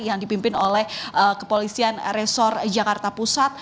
yang dipimpin oleh kepolisian resor jakarta pusat